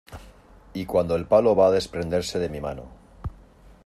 y cuando el palo va a desprenderse de mi mano